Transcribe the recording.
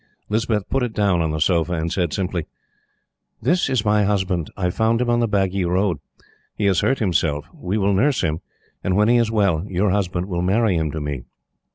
Lispeth put it down on the sofa, and said simply: "This is my husband. I found him on the Bagi Road. He has hurt himself. We will nurse him, and when he is well, your husband shall marry him to me."